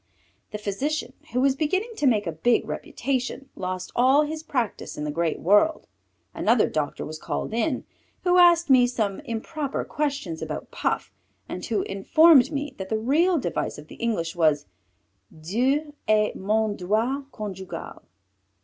This physician, who was beginning to make a big reputation, lost all his practice in the great world. Another doctor was called in, who asked me some improper questions about Puff, and who informed me that the real device of the English was: _Dieu et mon droit congugal!